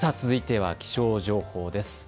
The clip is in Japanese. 続いては気象情報です。